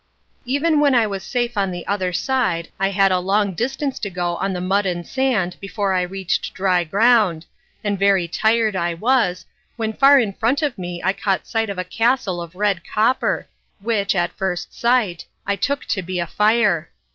Even when I was safe on the other side I had a long distance to go on the mud and sand before I reached dry ground, and very tired I was, when far in front of me I caught sight of a castle of red copper, which, at first sight, I took to be a fire.